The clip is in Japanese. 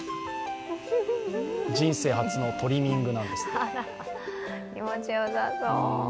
人生初のトリミングなんです。